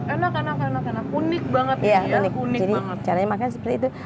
enak enak unik banget ya